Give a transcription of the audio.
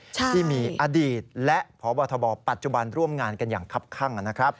ที่มีอดีตและพบทบปัจจุบันร่วมงานกันอย่างคับข้างนะครับ